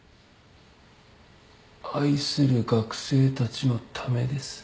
愛する学生たちのためです。